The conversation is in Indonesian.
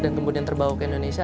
dan kemudian terbawa ke indonesia